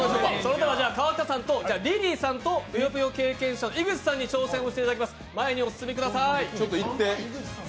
川北さんとリリーさんとぷよぷよ経験者井口さんにお願いします。